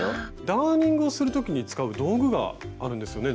ダーニングをする時に使う道具があるんですよね？